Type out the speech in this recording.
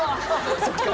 そっか。